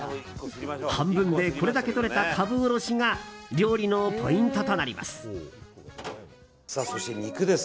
半分でこれだけとれたカブおろしが料理のポイントとなります。